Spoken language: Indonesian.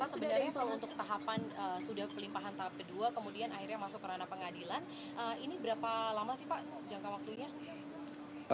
sebenarnya kalau untuk tahapan sudah pelimpahan tahap kedua kemudian akhirnya masuk ke ranah pengadilan ini berapa lama sih pak jangka waktunya